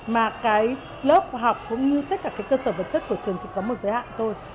mà cái lớp học cũng như tất cả cái cơ sở vật chất của trường chỉ có một giới hạn thôi